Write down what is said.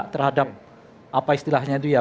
terhadap apa istilahnya itu ya